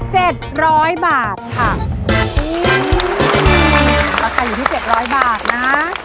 ร้อยบาทค่ะราคาอยู่ที่เจ็ดร้อยบาทนะ